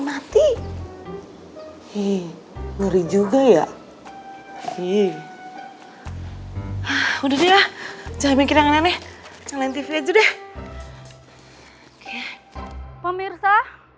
mati hei ngeri juga ya hei udah deh lah jangan mikir mikir nih jangan tipe aja deh oke pemirsa